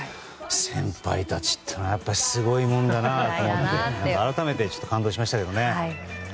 先輩たちっていうのはやっぱりすごいものだなと改めて感動しましたね。